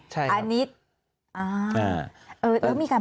ใช่ครับ